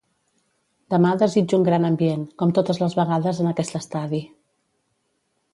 Demà desitjo un gran ambient, com totes les vegades en aquest estadi.